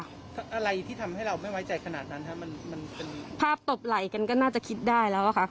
อะไรที่ทำให้เราไม่ไว้ใจขนาดนั้นมันเป็นภาพตบไหล่กันก็น่าจะคิดได้แล้วอะค่ะ